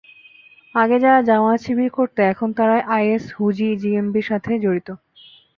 আগে যারা জামায়াত-শিবির করত, এখন তারাই আইএস, হুজি, জেএমবির সঙ্গে জড়িত।